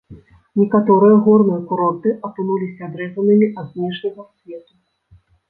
Некаторыя горныя курорты апынуліся адрэзанымі ад знешняга свету.